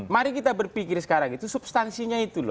mari kita berpikir sekarang itu substansinya itu loh